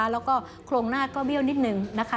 แล้วก็โครงหน้าก็เบี้ยวนิดนึงนะคะ